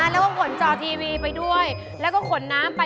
แล้วก็ขนจอทีวีไปด้วยแล้วก็ขนน้ำไป